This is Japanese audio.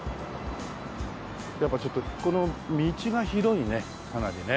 やっぱちょっとこの道が広いねかなりね。